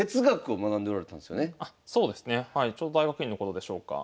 ちょうど大学院の頃でしょうか。